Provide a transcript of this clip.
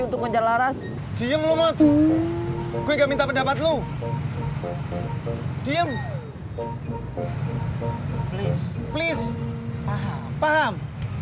untuk menjelaras diem lu mot gue nggak minta pendapat lu diem please please paham paham